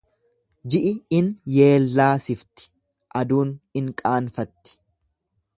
Ji'i in yeellaasifti, aduun in qaanfatti.